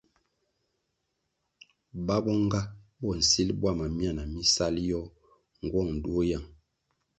Ba bo nga bo nsil bwama myana mi sal yoh ngwong duo yang.